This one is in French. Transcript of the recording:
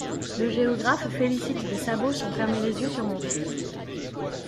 Le géographe félicite des sabots sans fermer les yeux sur mon fil.